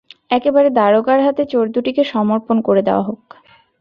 একেবারে দারোগার হাতে চোর দুটিকে সমর্পণ করে দেওয়া হোক।